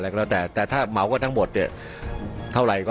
อะไรก็ต้องแต่แต่ถ้ามัวก็ทั้งหมดอ่ะเท่าไหร่ก็